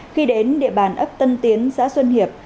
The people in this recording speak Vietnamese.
khi đến địa bàn ấp tân tiến xã xuân hiệp